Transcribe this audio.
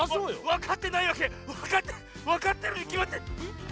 わかってないわけわかってわかってるにきまってる。